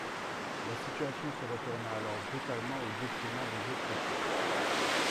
La situation se retourna alors brutalement au détriment des Autrichiens.